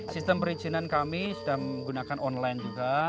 sistem perizinan kami sudah menggunakan online juga